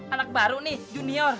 anak baru nih junior